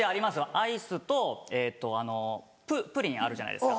アイスとプリンあるじゃないですか。